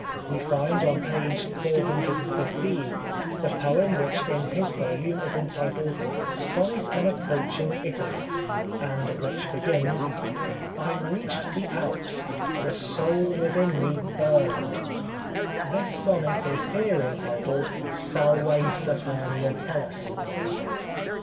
We find on page 415 the poem 144 The Life of Oscar Wilde which in his volume is entitled " Sonnet on Ap proaching Italy," and which begins :" I reached the Alps ; the soul within me burned." This sonnet is here entitled " Salve Saturnia Tellus."